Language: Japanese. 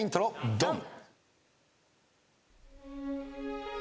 ドン！